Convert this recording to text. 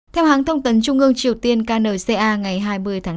theo hãng thông tấn trung ương triều tiên kcna ngày hai mươi tháng năm